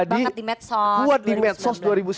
di medsos kuat di medsos